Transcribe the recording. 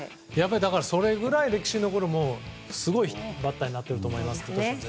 それぐらい歴史に残るすごいバッターになっています。